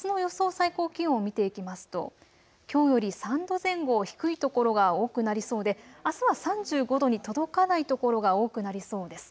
最高気温を見ていきますときょうより３度前後低い所が多くなりそうであすは３５度に届かない所が多くなりそうです。